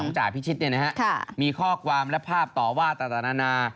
ของจ่ายพิชิตเนี่ยนะครับมีข้อความและภาพต่อว่าตัดต่านานา